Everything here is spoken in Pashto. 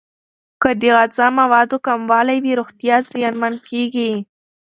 که د غذا موادو کموالی وي، روغتیا زیانمن کیږي.